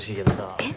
えっ